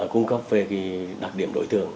cung cấp về đặc điểm đối tượng